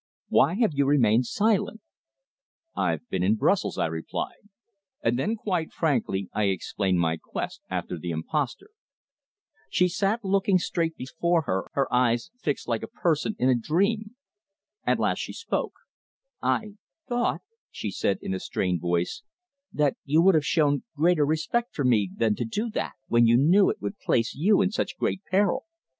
Why have you remained silent?" "I've been in Brussels," I replied, and then, quite frankly, I explained my quest after the impostor. She sat looking straight before her, her eyes fixed like a person, in a dream. At last she spoke: "I thought," she said in a strained voice, "that you would have shown greater respect for me than to do that when you knew it would place you in such great peril!"